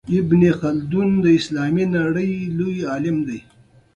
ابن خلدون د اسلامي نړۍ يو لوی عالم دی.